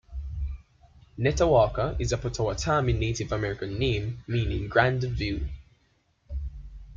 Netawaka is a Pottawatami Native American name meaning "grand view".